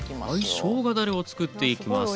はいしょうがだれを作っていきます。